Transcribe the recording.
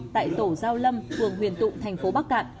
tại tổ giao lâm phường huyền tụ tp bắc cạn